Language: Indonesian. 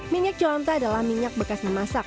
minyak cuanta adalah minyak bekas memasak